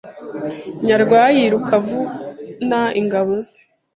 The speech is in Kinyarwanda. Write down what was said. Nyarwaya yiruka avuna Ingabo ze